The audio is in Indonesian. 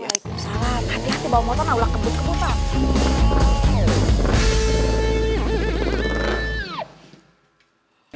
waalaikumsalam hati hati bawa motor nang ulah kebut kebutan